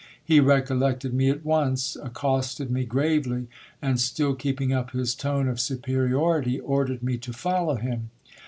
He recollected me at once, accosted me gravely, and, still keeping up his tone of superiority, ordered me to follow him.